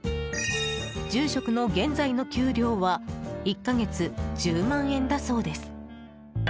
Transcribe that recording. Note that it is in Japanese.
住職の現在の給料は１か月１０万円だそうです。